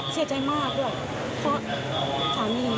เสียใจมากด้วยเพราะสามี